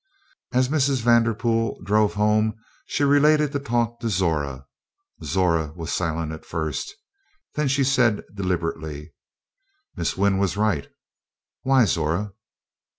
As Mrs. Vanderpool drove home she related the talk to Zora. Zora was silent at first. Then she said deliberately: "Miss Wynn was right." "Why, Zora!"